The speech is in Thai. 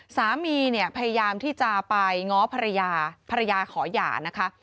สามีเนี่ยพยายามที่จะไปง้อภรรยาภรรยาขอหย่านะคะ